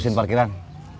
si unang ada ke tangan